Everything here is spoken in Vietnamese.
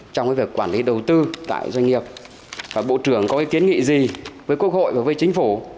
trong việc quản lý đầu tư tại doanh nghiệp và bộ trưởng có kiến nghị gì với quốc hội và với chính phủ